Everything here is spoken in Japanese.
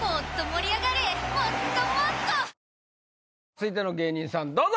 続いての芸人さんどうぞ！